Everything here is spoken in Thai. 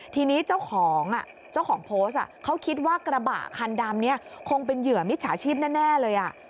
ทีนี้เจ้าของเจ้าของโพสต์เขาคิดว่ากระบะคันดำนี้คงเป็นเหยื่อมิจฉาชีพแน่เลย